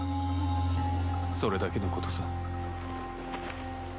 それだけのことさ。